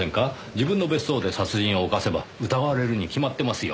自分の別荘で殺人を犯せば疑われるに決まってますよ。